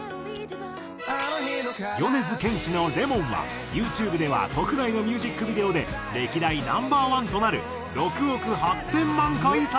米津玄師の『Ｌｅｍｏｎ』はＹｏｕＴｕｂｅでは国内のミュージックビデオで歴代Ｎｏ．１となる６億８０００万回再生。